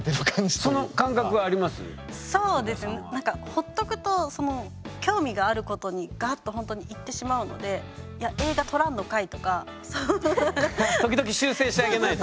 ほっとくと興味があることにガッとほんとに行ってしまうのでいや時々修正してあげないと。